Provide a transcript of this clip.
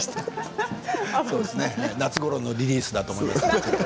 夏ごろのリリースだと思います。